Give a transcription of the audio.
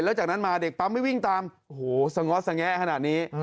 แล้วจากนั้นมาเด็กปั๊มไม่วิ่งตามโอ้โหสง้อสงแงะขนาดนี้